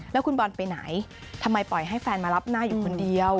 แล้วคุณบอลไปไหนทำไมปล่อยให้แฟนมารับหน้าอยู่คนเดียว